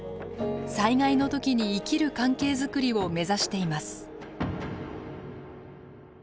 災害の時に生きる関係づくりを目指しています。